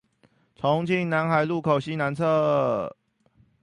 重慶南海路口西南側